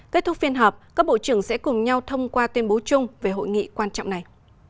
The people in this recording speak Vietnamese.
kết thúc phiên họp các bộ trưởng sẽ cùng nhau thông qua tuyên bố chung về hội nghị quan trọng này